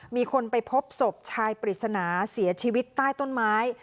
มีคนไปพบศพชายปริศนาเสียชีวิตใต้ต้นไม้